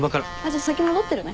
じゃあ先戻ってるね。